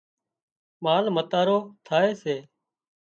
مال متارو ٿائي سي